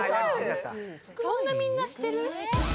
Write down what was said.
そんなみんなしてる？